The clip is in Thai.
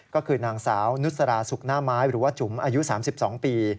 ก็คือนางสาวนุษราสุกหน้าไม้หรือว่าจุ๋มอายุ๓๒ปี